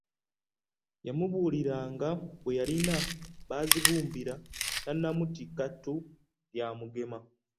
Yamubuuliranga bwe yalina Bazibumbira tannamutikka ttu lya Mugema?